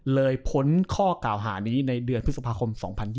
พ้นข้อกล่าวหานี้ในเดือนพฤษภาคม๒๐๒๐